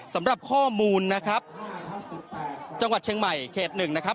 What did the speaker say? สำหรับข้อมูลนะครับจังหวัดเชียงใหม่เขตหนึ่งนะครับ